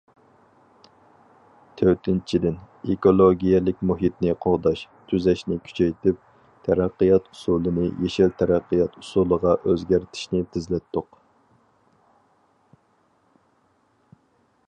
تۆتىنچىدىن، ئېكولوگىيەلىك مۇھىتنى قوغداش، تۈزەشنى كۈچەيتىپ، تەرەققىيات ئۇسۇلىنى يېشىل تەرەققىيات ئۇسۇلىغا ئۆزگەرتىشنى تېزلەتتۇق.